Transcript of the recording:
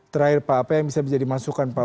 terakhir pak apa yang bisa menjadi masukan pak